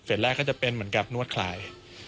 แรกก็จะเป็นเหมือนกับนวดคลาย